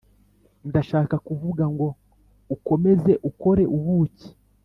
ndashaka kuvuga ngo ukomeza ukore ubuki